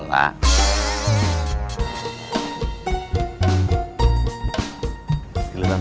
gila begini mana sih si aceng